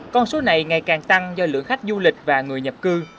con số này ngày càng tăng do lượng khách du lịch và người nhập cư